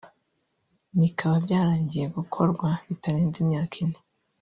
nikaba byarangiye gukorwa bitarenze imyaka ine